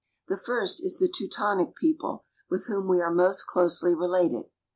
The first is the Teutonic people, with whom we are most closely related.